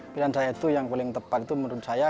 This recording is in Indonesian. pilihan saya itu yang paling tepat itu menurut saya